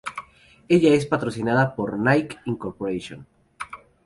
Ella es patrocinada por Nike, Inc.